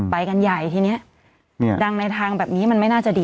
ไปกันใหญ่ทีนี้ดังในทางแบบนี้มันไม่น่าจะดี